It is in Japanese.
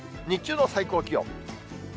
日中の最高気温。